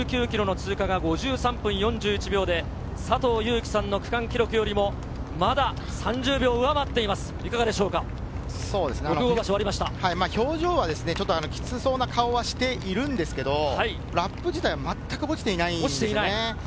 １９ｋｍの通過が５３分４１秒で佐藤悠基さんの区間記録よりもまだ３０秒上回っ表情はちょっとキツそうな顔はしているんですけど、ラップ自体全く落ちていないんですよね。